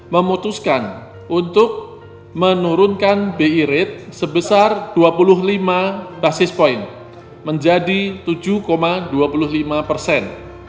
memutuskan untuk menurunkan bi rate sebesar dua puluh lima basis point menjadi tujuh dua puluh lima persen